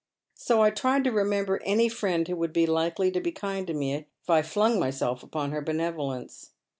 So J tried to remember any friend who would be likely to be kind to me if I flung myself upon her benevolence.